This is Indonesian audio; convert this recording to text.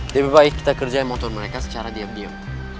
lebih baik kita kerjain motor mereka secara diam diam